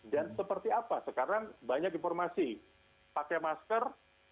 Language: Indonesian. dan seperti apa karena banyak informasi pakai masker